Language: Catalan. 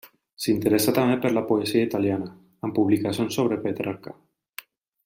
S'interessà també per la poesia italiana, amb publicacions sobre Petrarca.